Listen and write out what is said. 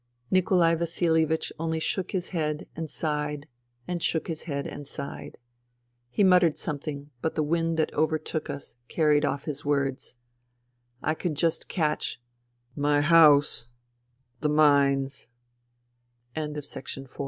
Nikolai Vasilievich only shook his head and sighed and shook his head and sighed. He muttered something, but the wind that overtook us carried off his words. I could just catch '*... my house ...